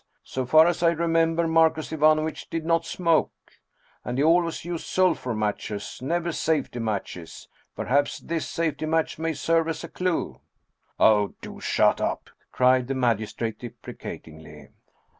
So far as I remember, Marcus Ivanovitch did not smoke. And he always used sulphur matches, never safety matches. Perhaps this safety match may serve as a clew !" 160 Anton Chekhoff " Oh, do shut up !" cried the magistrate deprecatingly.